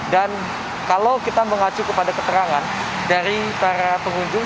dan kalau kita mengacu kepada keterangan dari para pengunjung